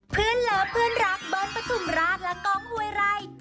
โปรดติดตามตอนต่อไป